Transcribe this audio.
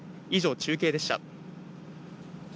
以上、中継でした。